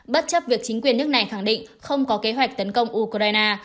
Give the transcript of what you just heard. bất chấp việc chính quyền nước này khẳng định không có kế hoạch tấn công ukraine